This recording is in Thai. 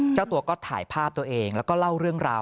เจ้าตัวก็ถ่ายภาพตัวเองแล้วก็เล่าเรื่องราว